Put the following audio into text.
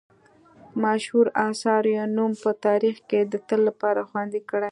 مشهورو اثارو یې نوم په تاریخ کې د تل لپاره خوندي کړی.